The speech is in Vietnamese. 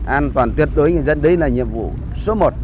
an toàn tuyệt đối cho người dân đây là nhiệm vụ số một